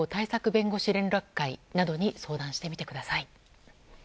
弁護士連絡会などに相談してみてください。